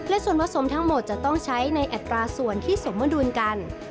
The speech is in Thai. และส่วนผสมทั้งหมดจะต้องใช้ในอัตราส่วนที่สมดุลกัน